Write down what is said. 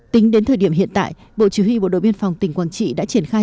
tính đến thời điểm hiện tại bộ chủ hị bộ đội biên phòng tỉnh quảng trị đã triển khai